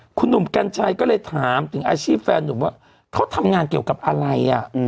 คุณหนุ่มกัญชัยก็เลยถามถึงอาชีพแฟนหนุ่มว่าเขาทำงานเกี่ยวกับอะไร